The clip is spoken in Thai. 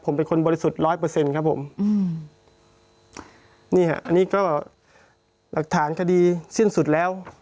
ผมเป็นคนบริสุทธิ์ร้อยเปอร์เซ็นต์ครับผมอืมนี่ฮะอันนี้ก็หลักฐานคดีสิ้นสุดแล้ว